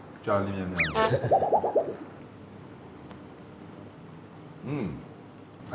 เส้นจอรุมเมียวครับ